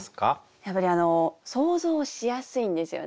やっぱり想像しやすいんですよね。